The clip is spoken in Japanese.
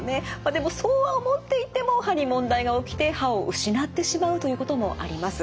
でもそうは思っていても歯に問題が起きて歯を失ってしまうということもあります。